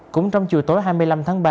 cũng trong chiều tối hai mươi năm tháng ba